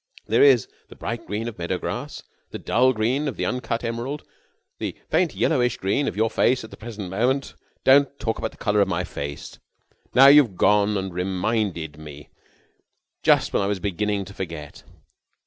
There is the bright green of meadow grass, the dull green of the uncut emerald, the faint yellowish green of your face at the present moment...." "Don't talk about the colour of my face! Now you've gone and reminded me just when I was beginning to forget."